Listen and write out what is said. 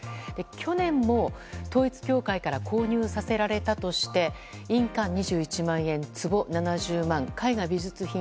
去年も統一教会から購入させられたとして印鑑２１万円、つぼ７０万円絵画美術品